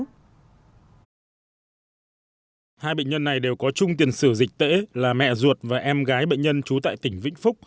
hai bệnh nhân này đều có chung tiền sử dịch tễ là mẹ ruột và em gái bệnh nhân trú tại tỉnh vĩnh phúc